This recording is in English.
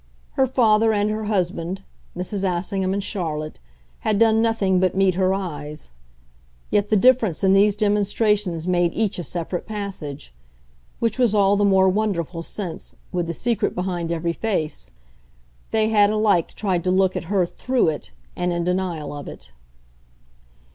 Her father and her husband, Mrs. Assingham and Charlotte, had done nothing but meet her eyes; yet the difference in these demonstrations made each a separate passage which was all the more wonderful since, with the secret behind every face, they had alike tried to look at her THROUGH it and in denial of it.